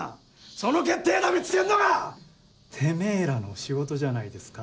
その決定打を見つけんのがてめぇらの仕事じゃないですか？